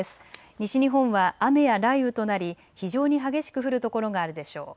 西日本は雨や雷雨となり非常に激しく降る所があるでしょう。